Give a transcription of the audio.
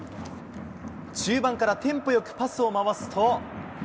中盤からテンポよくパスを回すと。